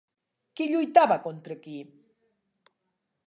Qui lluitava contra qui